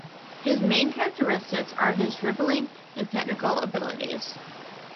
His main characteristics are his dribbling and technical abilities.